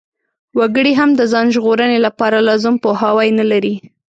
وګړي هم د ځان ژغورنې لپاره لازم پوهاوی نلري.